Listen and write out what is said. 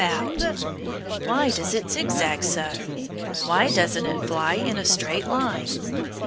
Why does it zigzag so? Why doesn't it fly in a straight line?